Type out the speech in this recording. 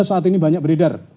saat ini banyak beredar